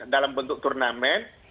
dalam bentuk turnamen